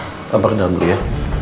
kita berdalam dulu ya